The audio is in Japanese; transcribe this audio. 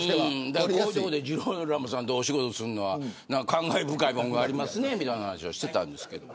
ジローラモさんとこういうことでお仕事するのは感慨深いもんがありますねみたいな話をしてたんですけれど。